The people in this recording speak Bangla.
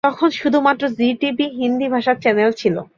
তখন শুধুমাত্র জী টিভি হিন্দি ভাষার চ্যানেল ছিল।